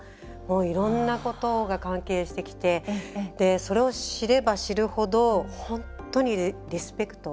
いろんなことが関係してきてそれを知れば知るほど本当にリスペクト。